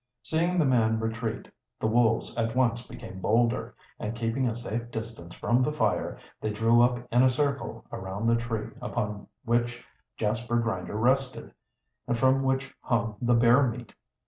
Seeing the man retreat the wolves at once became bolder, and keeping a safe distance from the fire, they drew up in a circle around the tree upon which Jasper Grinder rested, and from which hung the bear meat.